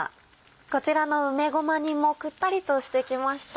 こちらの梅ごま煮もくったりとしてきました。